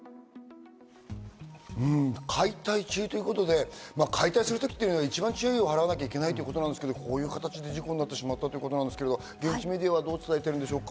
解体中ということで、解体するときっていうのは、一番注意を払わなきゃいけないってことですけど、こういう形で事故になってしまったってことですけど、現地メディアはどう伝えているんですか？